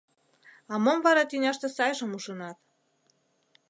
А мом вара тӱняште сайжым ужынат?